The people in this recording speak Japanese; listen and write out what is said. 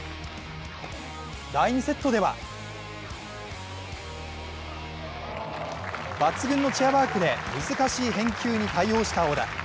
第２セットでは抜群のチェアワークで難しい返球に対応した小田。